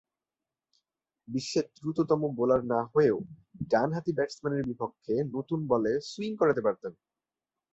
বিশ্বের দ্রুততম বোলার না হয়েও ডানহাতি ব্যাটসম্যানের বিপক্ষে নতুন বলে সুইং করাতে পারতেন।